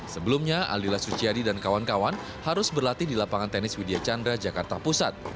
sebelumnya aldila suciadi dan kawan kawan harus berlatih di lapangan tenis widya chandra jakarta pusat